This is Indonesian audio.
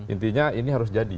intinya ini harus jadi